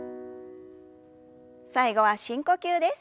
最後は深呼吸です。